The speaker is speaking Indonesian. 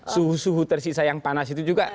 suhu suhu tersisa yang panas itu juga